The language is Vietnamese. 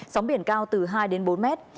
sóng biển cao từ hai đến bốn mét